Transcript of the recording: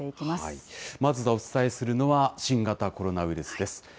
まずお伝えするのは新型コロナウイルスです。